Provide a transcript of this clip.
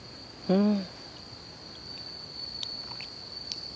うん。